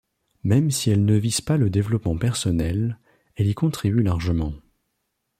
Même si elle ne vise pas le développement personnel, elle y contribue largement.